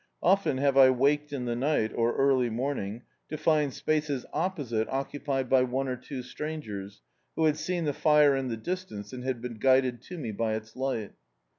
Often have I waked in the night, or early morning, to find spaces opposite occupied by one or two stran gers, who had seen the fire in the distance, and had been guided to me by its li^t.